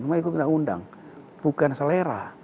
semua ikut undang bukan selera